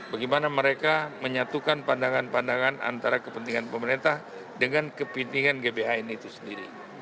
bagaimana mereka menyatukan pandangan pandangan antara kepentingan pemerintah dengan kepentingan gbhn itu sendiri